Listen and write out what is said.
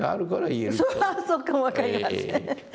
それはそうかも分かりません。